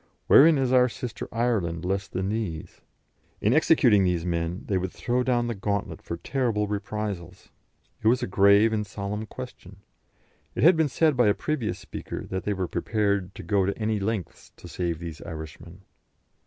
Wherein is our sister Ireland less than these? In executing these men, they would throw down the gauntlet for terrible reprisals. It was a grave and solemn question. It had been said by a previous speaker that they were prepared to go to any lengths to save these Irishmen.